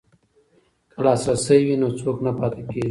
که لاسرسی وي نو څوک نه پاتې کیږي.